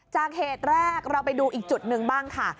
เหตุแรกเราไปดูอีกจุดหนึ่งบ้างค่ะ